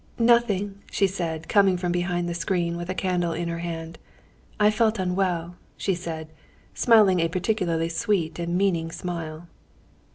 "Nothing," she said, coming from behind the screen with a candle in her hand. "I felt unwell," she said, smiling a particularly sweet and meaning smile.